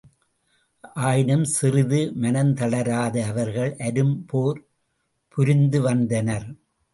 ஆயினும் சிறிதும் மனம்தளராது அவர்கள் அரும்போர் புரிந்துவந்தனர்.